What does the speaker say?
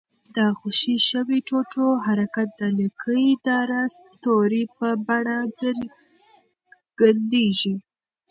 د خوشي شوي ټوټو حرکت د لکۍ داره ستوري په بڼه څرګندیږي.